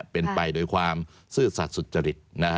เป็นไปโดยความซื่อสัตว์สุจริต